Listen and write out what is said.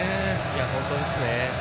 本当ですね。